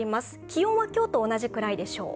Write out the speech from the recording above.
気温は今日と同じくらいでしょう。